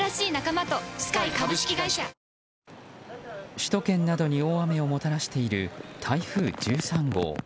首都圏などに大雨をもたらしている台風１３号。